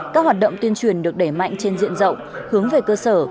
các hoạt động tuyên truyền được đẩy mạnh trên diện rộng hướng về cơ sở